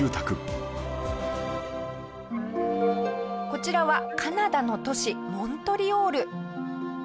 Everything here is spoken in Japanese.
こちらはカナダの都市モントリオール。